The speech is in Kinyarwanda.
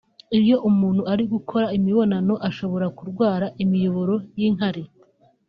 Iyo umuntu ari gukora imibonano ashobora kurwara imiyoboro y’inkari